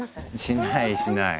しないしない。